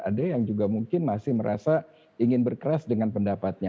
ada yang juga mungkin masih merasa ingin berkeras dengan pendapatnya